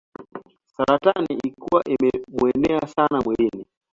Saratani ilikuwa imemuenea sana mwilini.